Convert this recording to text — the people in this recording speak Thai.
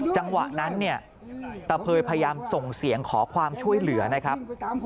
จังหวะนั้นเนี่ยตะเภยพยายามส่งเสียงขอความช่วยเหลือนะครับ